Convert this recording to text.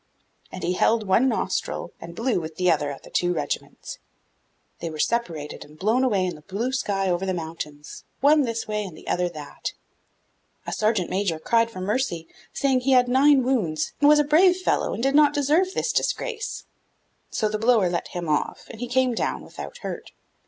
And he held one nostril and blew with the other at the two regiments; they were separated and blown away in the blue sky over the mountains, one this way, and the other that. A sergeant major cried for mercy, saying he had nine wounds, and was a brave fellow, and did not deserve this disgrace. So the blower let him off, and he came down without hurt.